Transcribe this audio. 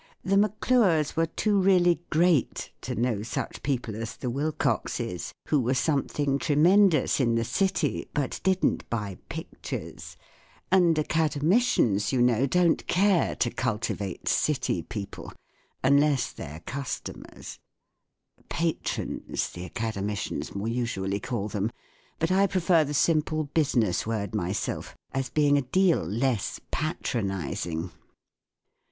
The Maclures were too really great to know such people as the Wilcoxes, who w ere something tremendous in the City, but didn't buy pictures; and Academicians, you know, don't care to culti¬ vate City people—unless they're customers, (" Patrons," the Academicians more usually call them ; but I prefer the simple business word myself, as being a deal less patronizing.)